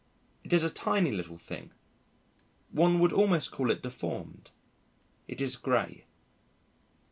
It is a tiny little thing. One would almost call it deformed. It is gray.